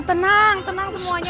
tenang tenang semuanya